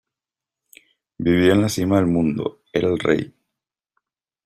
Vivía en la cima del mundo, era el rey